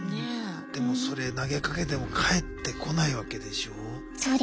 でもそれ投げかけても返ってこないわけでしょう。